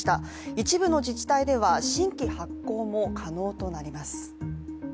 一部の自治体では新規発行も可能となります。